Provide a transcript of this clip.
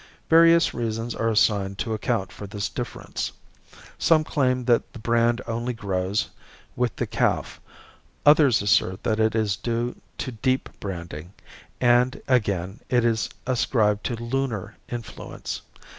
Various reasons are assigned to account for this difference. Some claim that the brand only grows with the calf; others assert that it is due to deep branding; and, again, it is ascribed to lunar influence.